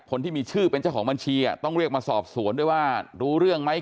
คนที่มีชื่อเป็นเจ้าของบัญชีต้องเรียกมาสอบสวนด้วยว่ารู้เรื่องไหม